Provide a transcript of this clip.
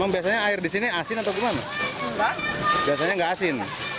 pemilis air disini asli atau jangan